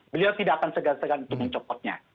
beliau tidak akan segan segan untuk mencopotnya